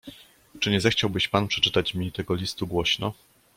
"Czy nie zechciałbyś pan przeczytać mi tego listu głośno?"